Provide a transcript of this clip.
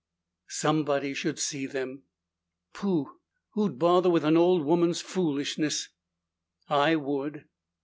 "Somebody should see them." "Pooh! Who'd bother with an old woman's foolishness?" "I would."